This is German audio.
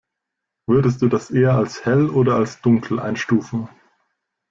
Würdest du das eher als hell oder als dunkel einstufen?